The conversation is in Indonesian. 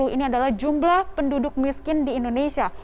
ini adalah jumlah penduduk miskin di indonesia